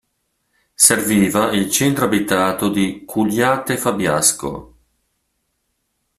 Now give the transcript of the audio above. Serviva il centro abitato di Cugliate-Fabiasco.